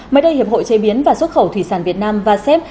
mấy đời hiệp hội chế biến và xuất khẩu thủy sản việt nam và sep